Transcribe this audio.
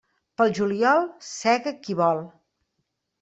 Pel juliol sega qui vol.